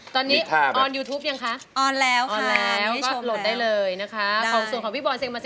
ตอนนี้บนยูทูปยังคะ